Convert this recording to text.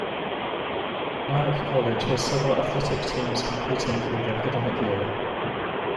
Nyack College has several athletic teams competing through the academic year.